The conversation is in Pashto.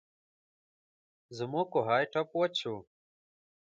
زموږ کوهۍ ټپ وچ شو.